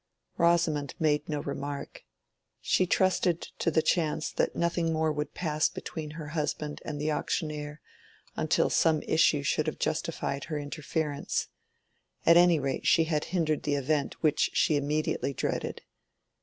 Rosamond made no remark. She trusted to the chance that nothing more would pass between her husband and the auctioneer until some issue should have justified her interference; at any rate, she had hindered the event which she immediately dreaded.